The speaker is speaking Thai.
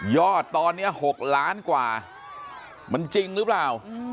อดตอนนี้๖ล้านกว่ามันจริงหรือเปล่า